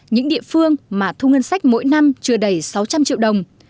những địa phương mà thu ngân sách mỗi năm chưa đầy sáu trăm linh triệu đồng